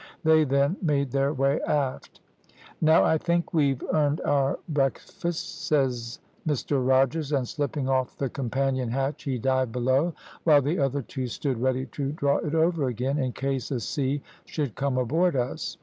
They then made their way aft. "`Now I think we've earned our breakfasts,' says Mr Rogers, and slipping off the companion hatch he dived below, while the other two stood ready to draw it over again, in case a sea should come aboard us.